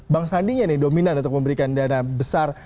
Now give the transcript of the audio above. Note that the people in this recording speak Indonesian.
bang sandinya nih dominan untuk memberikan dana besar